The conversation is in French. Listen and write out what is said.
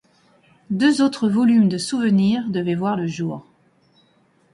Deux autres volumes de souvenirs devaient voir le jour.